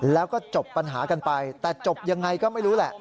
แล้วก็จบปัญหากันไปแต่จบยังไงก็ไม่รู้แหละ